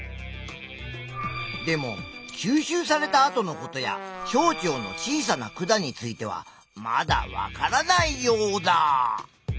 でも吸収されたあとのことや小腸の小さな管についてはまだわからないヨウダ！